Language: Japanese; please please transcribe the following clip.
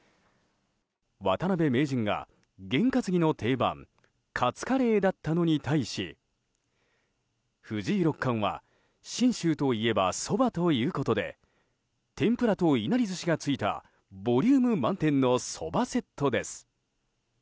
渡辺名人が験担ぎの定番勝カレーだったのに対し藤井六冠は信州といえば、そばということで天ぷらといなり寿司がついたボリューム満点のそばセットです。